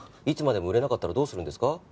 いつまでも売れなかったらどうするんですか？